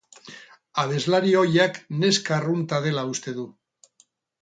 Abeslari ohiak neska arrunta dela uste du.